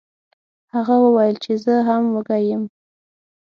هغه وویل چې زه هم وږی یم.